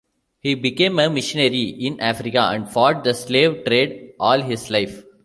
He became a missionary in Africa and fought the slave trade all his life.